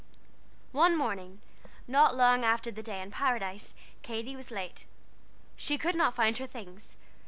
One morning, not long after the day in Paradise, Katy was late. She could not find her things.